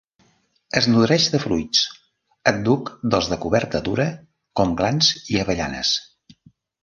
Es nodreix de fruits, àdhuc dels de coberta dura, com glans i avellanes.